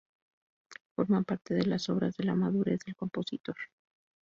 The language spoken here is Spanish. Forma parte de las obras de madurez del compositor.